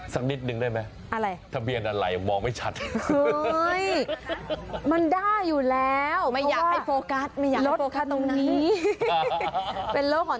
ซักนิดดึงได้ไหม